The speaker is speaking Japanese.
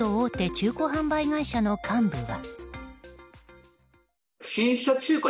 中古販売会社の幹部は。